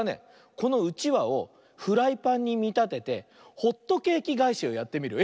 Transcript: このうちわをフライパンにみたててホットケーキがえしをやってみるよ。